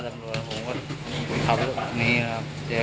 เสียกับเรื่องแฟนเรื่องอะไรด้วยผมก็ขับรถหนีมาเลยค่ะ